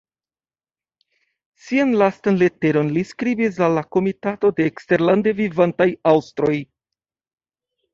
Sian lastan leteron li skribis al la Komitato de Eksterlande Vivantaj Aŭstroj.